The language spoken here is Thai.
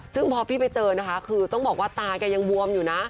ซึ่งพอพี่ไปเจอนะคะคือต้องบอกว่าตาแกยังบวมอยู่นะ